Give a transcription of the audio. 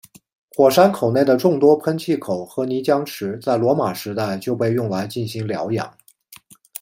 火山口内的众多喷气口和泥浆池在罗马时代就被用来进行疗养。